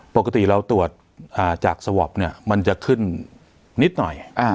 ปกติเราตรวจจากสวอปเนี่ยมันจะขึ้นนิดหน่อย